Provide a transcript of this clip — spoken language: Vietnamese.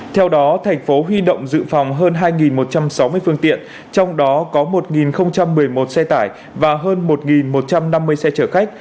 theo đó thành phố huy động dự phòng hơn hai một trăm sáu mươi phương tiện trong đó có một một mươi một xe tải và hơn một một trăm năm mươi xe chở khách